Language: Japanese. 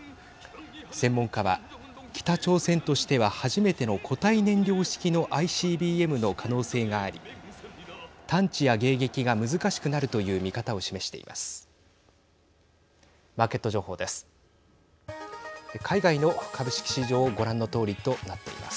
専門家は北朝鮮としては初めての固体燃料式のＩＣＢＭの可能性があり探知や迎撃が難しくなるという見方を示しています。